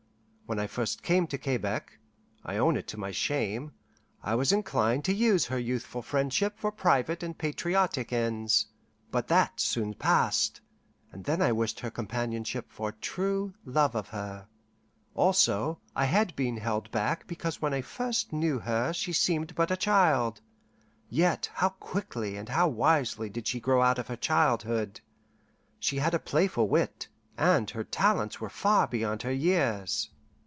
When I first came to Quebec (I own it to my shame) I was inclined to use her youthful friendship for private and patriotic ends; but that soon passed, and then I wished her companionship for true love of her. Also, I had been held back because when I first knew her she seemed but a child. Yet how quickly and how wisely did she grow out of her childhood! She had a playful wit, and her talents were far beyond her years.